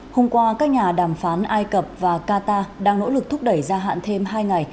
hôm qua các nhà đàm phán ai cập và qatar đang nỗ lực thúc đẩy gia hạn thêm hai ngày